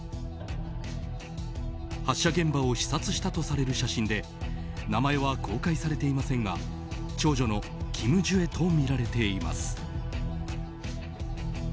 発射現場を視察したとされる写真で名前は公開されていませんが長女のキム・ジュエとみられています。